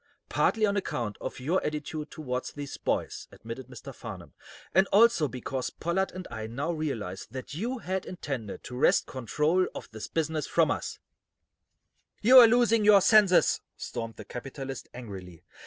"Partly on account of your attitude toward these boys," admitted Mr. Farnum, "and also because Pollard and I now realize that you had intended to wrest control of this business from us." "You're losing your senses," Stormed the capitalist, angrily.